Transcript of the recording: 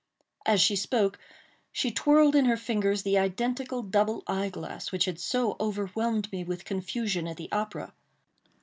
As she spoke she twirled in her fingers the identical double eye glass which had so overwhelmed me with confusion at the opera.